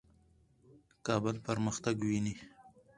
کابل پرمختګ ویني.